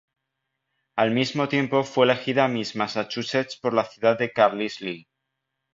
Al mismo tiempo, fue elegida Miss Massachusetts por la ciudad de Carlisle.